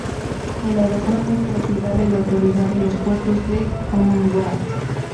El aeropuerto es propiedad de la Autoridad de los Puertos de la Commonwealth.